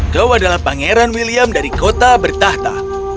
kau adalah pangeran william dari kota bertahta